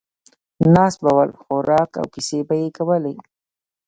ناست به ول، خوراک او کیسې به یې کولې.